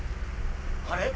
あれ？